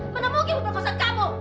mana mungkin memperkosa kamu